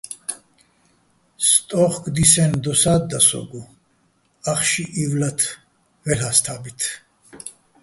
სტო́უხკო̆ დისენო̆ დოსა́ და სო́გო, ახში ივლათ ვაჲლ'ას თა́ბით.